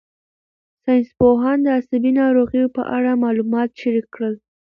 ساینسپوهان د عصبي ناروغیو په اړه معلومات شریک کړل.